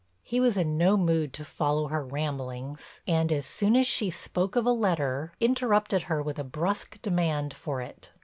He was in no mood to follow her ramblings and, as soon as she spoke of a letter, interrupted her with a brusque demand for it.